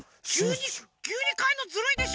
きゅうにかえんのずるいでしょ？